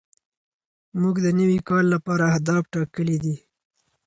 موږ د نوي کال لپاره اهداف ټاکلي دي.